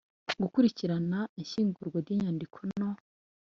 Gukurikirana ishyingurwa ry’inyandiko no